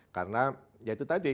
karena ya itu tadi